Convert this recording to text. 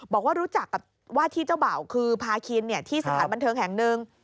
บอกว่ารู้จักกับว่าที่เจ้าเบ่าคือพาคินที่สถานบันเทิงแห่งหนึ่ง